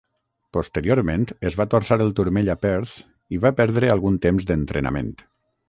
Posteriorment es va torçar el turmell a Perth i va perdre algun temps d'entrenament.